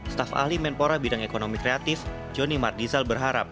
staf ahli menpora bidang ekonomi kreatif joni mardizal berharap